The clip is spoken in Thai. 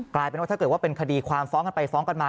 กลายเป็นว่าถ้าเกิดว่าเป็นคดีความฟ้องกันไปฟ้องกันมา